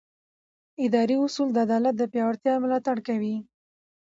اداري اصول د عدالت د پیاوړتیا ملاتړ کوي.